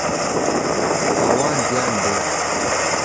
تاوان زیان دی.